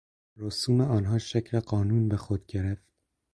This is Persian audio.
رسوم آنها شکل قانون به خود گرفت.